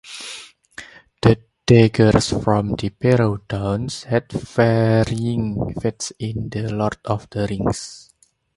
The daggers from the Barrow-downs had varying fates in "The Lord of the Rings".